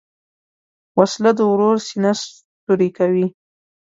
وسله د ورور سینه سوری کوي